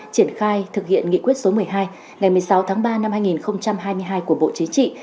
triển khai thực hiện nghị quyết số một mươi hai ngày một mươi sáu tháng ba năm hai nghìn hai mươi hai của bộ chính trị